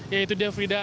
ya itu dia frida